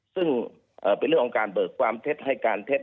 ซึ่งเป็นเรื่องของการเบิกความเท็จให้การเท็จ